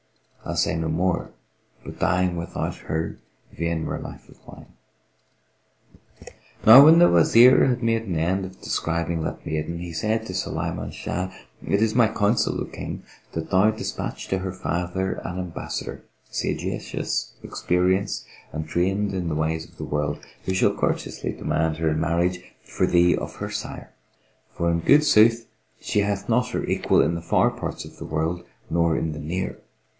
I'll say no more * But dying without her vain were life of mine.' " Now when the Wazir had made an end of describing that maiden, he said to Sulayman Shah, "It is my counsel, O King, that thou despatch to her father an ambassador, sagacious, experienced and trained in the ways of the world, who shall courteously demand her in marriage for thee of her sire; for in good sooth she hath not her equal in the far parts of the world nor in the near.